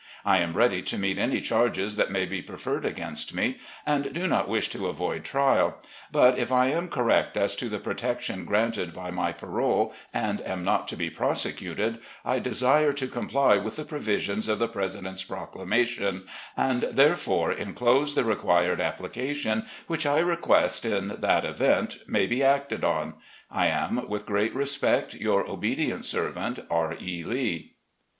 I am ready to meet any charges that may be preferred against me, and do not wish to avoid trial ; but, if I am correct as to the protection granted by my parole, and am not to be prosecuted, I desire to comply with the provisions of the President's proclamation, and, therefore, inclose the required applica tion, which I request, in that event, may be acted on. I am, with great respect, "Your obedient servant, R. E. Lee."